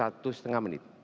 satu setengah menit